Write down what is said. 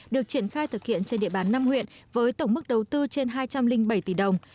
được triển khai thực hiện trên địa bàn năm huyện với tổng mức đầu tư trên hai trăm linh bảy tỷ đồng